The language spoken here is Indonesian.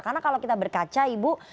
karena kalau kita berkaca ibu